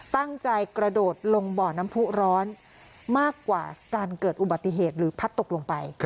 กระโดดลงบ่อน้ำผู้ร้อนมากกว่าการเกิดอุบัติเหตุหรือพัดตกลงไป